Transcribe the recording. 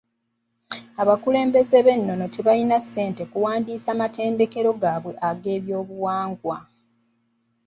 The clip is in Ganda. Abakulembeze b'ennono tebalina ssente okuwandiisa amatendekero gaabwe ag'ebyobuwangwa.